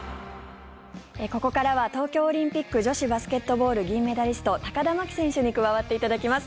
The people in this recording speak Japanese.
ここからは東京オリンピック女子バスケットボール銀メダリスト、高田真希選手に加わっていただきます。